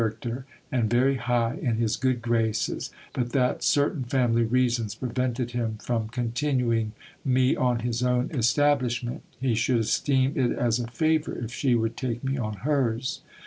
racter, and very high in his good graces, but that certain family reasons prevented him from continuing me on his own establishment, he should esteem it as a favour if she would take me on hers.